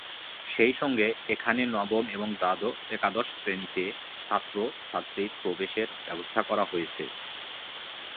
সেই সঙ্গে, এখানে নবম এবং একাদশ শ্রেণীতে ছাত্র-ছাত্রীর প্রবেশের ব্যবস্থা করা হয়েছে।